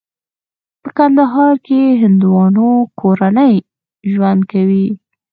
په کندهار کې د هندوانو کورنۍ ژوند کوي.